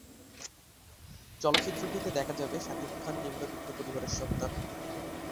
চলচ্চিত্রটিতে দেখা যাবে, শাকিব খান নিম্নবিত্ত পরিবারের সন্তান।